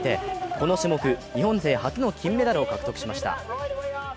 この種目、日本勢初の金メダルを獲得しました。